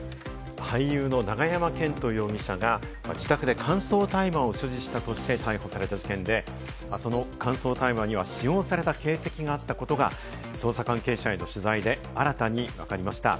俳優の永山絢斗容疑者が自宅で乾燥大麻を所持したとして逮捕された事件で、その乾燥大麻には使用された形跡があったことが捜査関係者への取材で新たにわかりました。